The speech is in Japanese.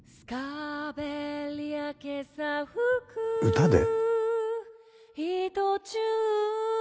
歌で？